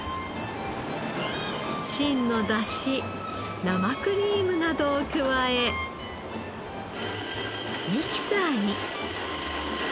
芯のだし生クリームなどを加えミキサーに。